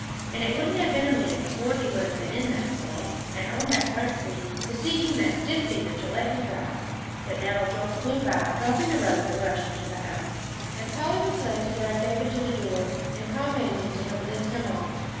And it wouldn't have been a minute before he would have been in that sleigh, and on that front seat, besieging that stiff figure to let him drive. But now Joel flew by, dropping the rope, and rushed into the house, and Polly was left to drag David to the door, and call to Mamsie to help lift him off.